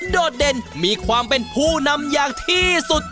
โดดเด่นมีความเป็นผู้นำอย่างที่สุด